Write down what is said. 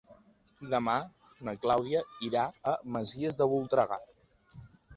Demà na Clàudia irà a les Masies de Voltregà.